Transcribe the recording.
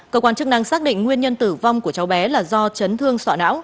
cơ quan chức năng xác định nguyên nhân tử vong của cháu bé là do chấn thương sọ não